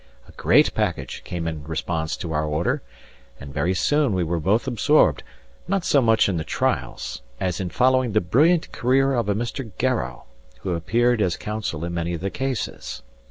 A great package came in response to our order, and very soon we were both absorbed, not so much in the trials as in following the brilliant career of a Mr. Garrow, who appeared as counsel in many of the cases.